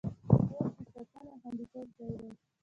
کور د ساتنې او خوندیتوب ځای دی.